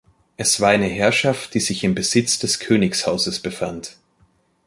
Es war eine Herrschaft, die sich im Besitz des Königshauses befand.